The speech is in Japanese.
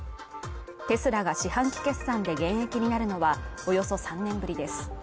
テスラが四半期決算で減益になるのはおよそ３年ぶりです。